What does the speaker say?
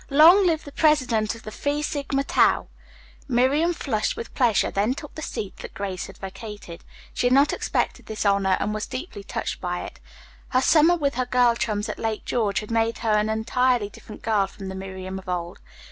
Long live the president of the Phi Sigma Tau." Miriam, flushed with pleasure, then took the seat that Grace had vacated. She had not expected this honor and was deeply touched by it. Her summer with her girl chums at Lake George had made her an entirely different girl from the Miriam of old.